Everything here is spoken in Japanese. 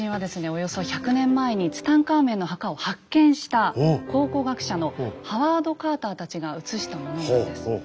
およそ１００年前にツタンカーメンの墓を発見した考古学者のハワード・カーターたちが写したものなんです。